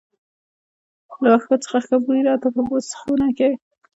له وښو څخه ښه بوی راته، په بوس خونه کې.